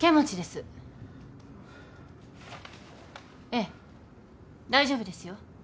ええ大丈夫ですよ。